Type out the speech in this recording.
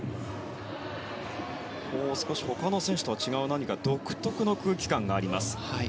他の選手とは違う独特の空気感があります。